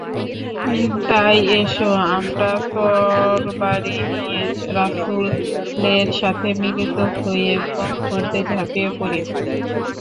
তাই এসো আমরা তরবারী নিয়ে রাসূলের সাথে মিলিত হই এবং যুদ্ধে ঝাঁপিয়ে পড়ি।